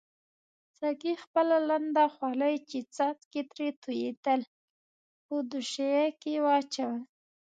ساقي خپله لنده خولۍ چې څاڅکي ترې توییدل په دوشۍ کې واچول.